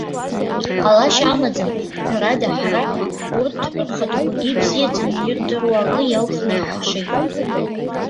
Ҟалашьа амаӡам! Ҳәарада, ҳара урҭ, рхаҭақәагьы ибзиаӡаны ирдыруа акы иалхны иаҳшеит.